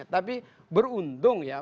tapi beruntung ya